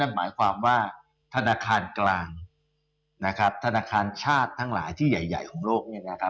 หมายความว่าธนาคารกลางนะครับธนาคารชาติทั้งหลายที่ใหญ่ของโลก